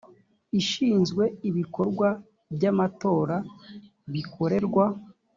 ishinzwe ibikorwa by amatora bikorerwa